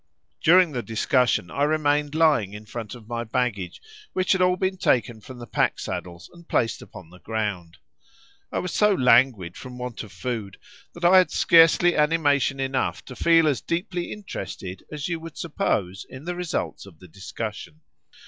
During the discussion I remained lying in front of my baggage, which had all been taken from the pack saddles and placed upon the ground. I was so languid from want of food, that I had scarcely animation enough to feel as deeply interested as you would suppose in the result of the discussion.